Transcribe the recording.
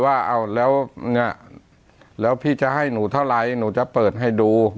แล้วจะยังไงต่อก็เลยว่าแล้วพี่จะให้หนูเท่าไหร่หนูจะเปิดให้ดู